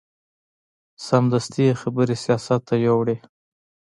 سمدستي یې خبرې سیاست ته یوړې.